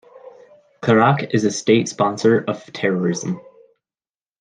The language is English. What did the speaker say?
Qurac is a state sponsor of terrorism.